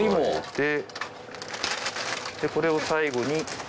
でこれを最後に。